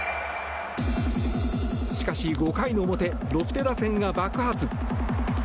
しかし、５回の表ロッテ打線が爆発。